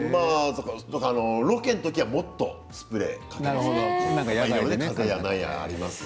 ロケの時は、もっとスプレーで固めますね。